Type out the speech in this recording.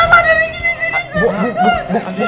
elsa itu kenapa dari gini sini jangan